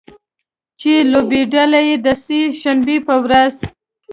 چې لوبډله یې د سې شنبې په ورځ